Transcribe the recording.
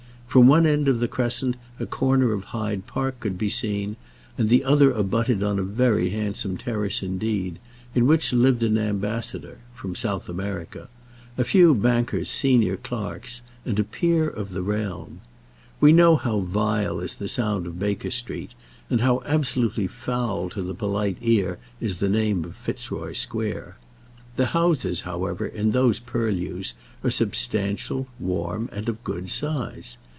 From one end of the crescent a corner of Hyde Park could be seen, and the other abutted on a very handsome terrace indeed, in which lived an ambassador, from South America, a few bankers' senior clerks, and a peer of the realm. We know how vile is the sound of Baker Street, and how absolutely foul to the polite ear is the name of Fitzroy Square. The houses, however, in those purlieus are substantial, warm, and of good size.